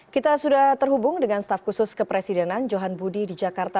kita sudah terhubung dengan staf khusus kepresidenan johan budi di jakarta